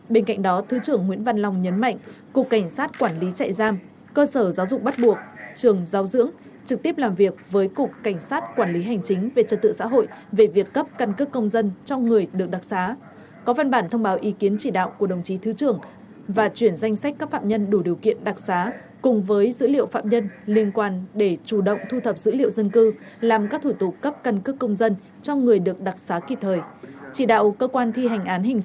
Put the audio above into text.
bên cạnh đó thứ trưởng nguyễn văn long nhấn mạnh cục cảnh sát quản lý trại giam cơ sở giáo dụng bắt buộc trường giáo dưỡng trực tiếp làm việc với cục cảnh sát quản lý hành chính về trật tự xã hội về việc cấp căn cước công dân cho người được đặc giá có văn bản thông báo ý kiến chỉ đạo của đồng chí thứ trưởng và chuyển danh sách các phạm nhân đủ điều kiện đặc giá cùng với dữ liệu phạm nhân liên quan để chủ động thu thập dữ liệu dân cư làm các thủ tục cấp căn cước công dân cho người được đặc giá kịp thời chỉ đạo cơ quan thi hành án h